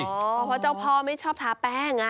เพราะเจ้าพ่อไม่ชอบทาแป้ง